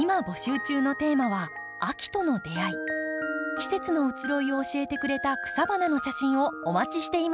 季節の移ろいを教えてくれた草花の写真をお待ちしています。